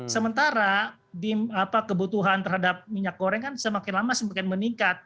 sementara kebutuhan terhadap minyak goreng kan semakin lama semakin meningkat